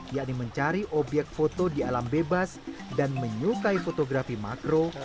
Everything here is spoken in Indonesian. yakni mencari obyek foto di alam bebas dan menyukai fotografi makro